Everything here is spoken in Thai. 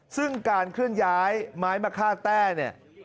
ซึ่งการเคลื่อนย้ายไม้มะค่าแต้เนี่ย